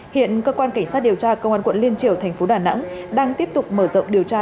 hiện cơ quan cảnh sát điều tra công an quận liên triều thành phố đà nẵng đang tiếp tục mở rộng điều tra